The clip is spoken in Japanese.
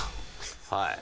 はい。